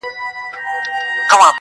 جانان پر سرو سترګو مین دی؛